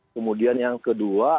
kemudian yang kedua